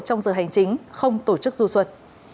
trong giờ hành chính không tổ chức du xuất